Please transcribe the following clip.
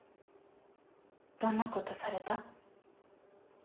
どんなことされた？